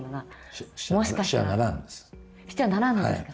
してはならんのですか？